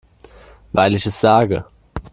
Weil ich es sage.